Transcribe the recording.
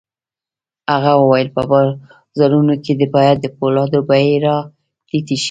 هغه وویل په بازارونو کې باید د پولادو بيې را ټیټې شي